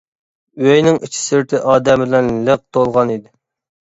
ئۆينىڭ ئىچى-سىرتى ئادەم بىلەن لىق تولغان ئىدى.